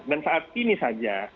dan saat ini saja